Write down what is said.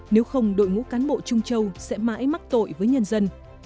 nếu không đội ngũ cán bộ trung châu sẽ mãi mắc tội với nhân dân